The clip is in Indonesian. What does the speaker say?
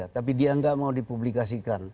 tapi dia nggak mau dipublikasikan